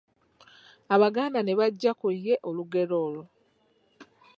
Abaganda ne baggya ku ye olugero olwo.